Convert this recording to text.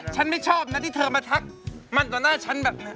ฉันไม่ชอบนะที่เธอมาทักมันต่อหน้าฉันแบบนั้น